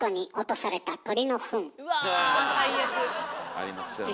ありますよねえ。